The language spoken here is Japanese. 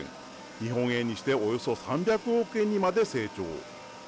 日本円にしておよそ３００億円にまで成長。